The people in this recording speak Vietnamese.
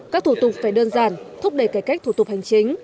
các thủ tục phải đơn giản thúc đẩy cải cách thủ tục hành chính